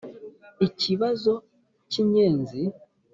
ikibazo cy' inyenzi;